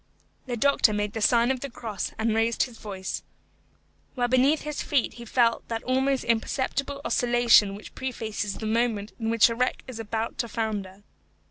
The doctor made the sign of the cross and raised his voice, while beneath his feet he felt that almost imperceptible oscillation which prefaces the moment in which a wreck is about to founder.